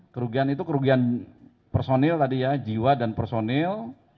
kerugian itu kerugian personil tadi ya jiwa dan personil